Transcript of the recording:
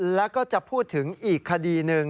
แล้วก็จะพูดถึงอีกคดีหนึ่ง